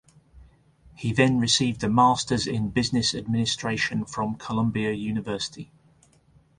He then received a Masters in Business Administration from Columbia University.